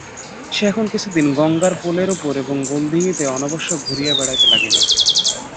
সে এখন কিছুদিন গঙ্গার পোলের উপর এবং গোলদিঘিতে অনাবশ্যক ঘুরিয়া বেড়াইতে লাগিল।